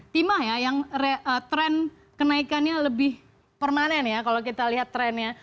timah ya yang tren kenaikannya lebih permanen ya kalau kita lihat trennya